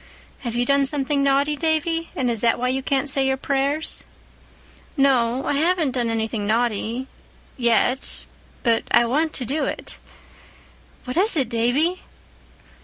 "Have you done something naughty, Davy, and is that why you can't say your prayers?" "No, I haven't done anything naughty—yet. But I want to do it." "What is it, Davy?"